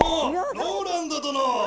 ＲＯＬＡＮＤ殿！